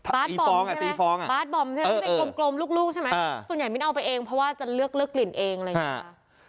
บาร์สบอมใช่มั้ยที่เป็นกลมกลมลูกใช่มั้ยส่วนใหญ่มิ้นเอาไปเองเพราะว่าจะเลือกกลิ่นเองอะไรอย่างนี้